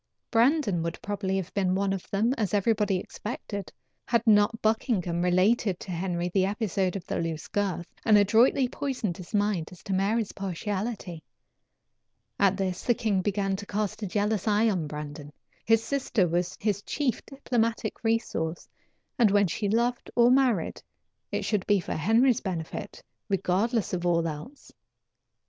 Brandon would probably have been one of them, as everybody expected, had not Buckingham related to Henry the episode of the loose girth, and adroitly poisoned his mind as to Mary's partiality. At this the king began to cast a jealous eye on Brandon. His sister was his chief diplomatic resource, and when she loved or married, it should be for Henry's benefit, regardless of all else.